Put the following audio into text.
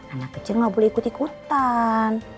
anak kecil nggak boleh ikut ikutan